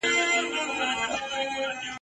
وخت به ازمېیلی یم ما بخت دی آزمېیلی !.